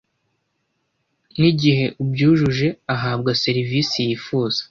n’igiheubyujuje ahabwa serivisi yifuza